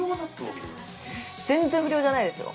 全然不良じゃないですよ。